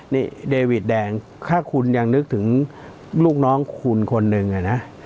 นี่เดวิดแดงถ้าคุณยังนึกถึงลูกน้องคุณคนหนึ่งอะนะ